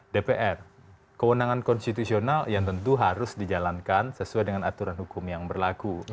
dpr kewenangan konstitusional yang tentu harus dijalankan sesuai dengan aturan hukum yang berlaku